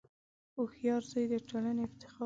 • هوښیار زوی د ټولنې افتخار وي.